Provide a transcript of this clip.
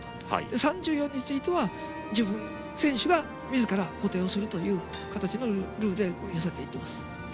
３４については自分、選手がみずから固定するという形のルールになっています。